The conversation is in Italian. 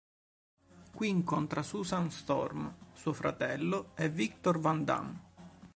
Qui incontra Susan Storm, suo fratello e Victor van Damme.